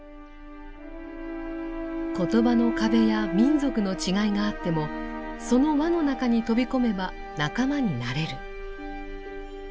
言葉の壁や民族の違いがあってもその輪の中に飛び込めば仲間になれる。